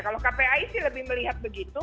kalau kpai sih lebih melihat begitu